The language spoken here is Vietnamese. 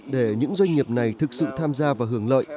để những doanh nghiệp này thực sự tham gia và hưởng lợi